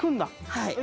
はい。